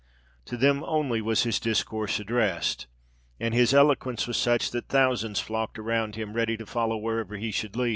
To them only was his discourse addressed; and his eloquence was such, that thousands flocked around him, ready to follow wherever he should lead.